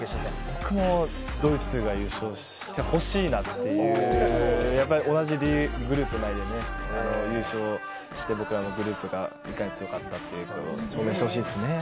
僕もドイツが優勝してほしいなという、同じグループでね、優勝して、僕らのグループがいかに強かったが証明してほしいです。